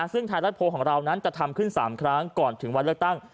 ซึ่งไทยรัฐโพลของเรานั้นจะทำขึ้น๓ครั้งก่อนถึงวันเลือกตั้ง